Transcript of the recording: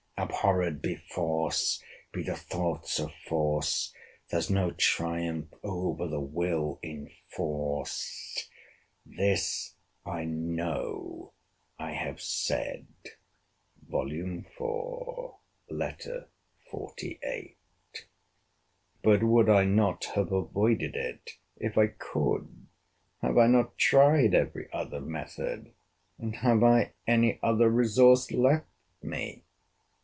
[Abhorred be force!—be the thoughts of force!—There's no triumph over the will in force!] This I know I have said.* But would I not have avoided it, if I could? Have I not tried every other method? And have I any other resource left me?